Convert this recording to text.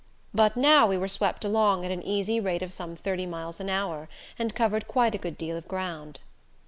But now we were swept along at an easy rate of some thirty miles an hour and covered quite a good deal of ground.